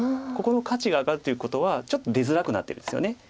ここの価値が上がるということはちょっと出づらくなってるんですよね。